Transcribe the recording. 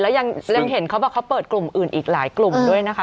แล้วยังเห็นเขาบอกเขาเปิดกลุ่มอื่นอีกหลายกลุ่มด้วยนะคะ